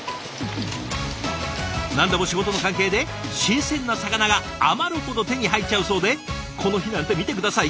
何でも仕事の関係で新鮮な魚が余るほど手に入っちゃうそうでこの日なんて見て下さい！